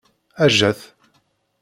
Ajjat!